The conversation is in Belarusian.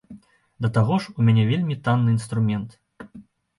Да таго ж, у мяне вельмі танны інструмент.